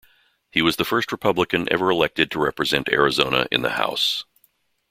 He was the first Republican ever elected to represent Arizona in the House.